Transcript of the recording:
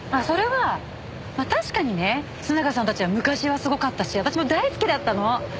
それは確かにね須永さんたちは昔はすごかったし私も大好きだったの。